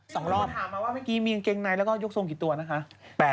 สองรอบถามมาว่าเมื่อกี้มีกางเกงในแล้วก็ยกทรงกี่ตัวนะคะ